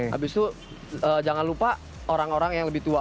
habis itu jangan lupa orang orang yang lebih tua